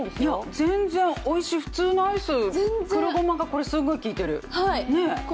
全然おいしい、普通のアイス、黒ごまがすごいきいてる。